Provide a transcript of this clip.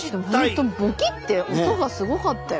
本当ボキッて音がすごかったよ。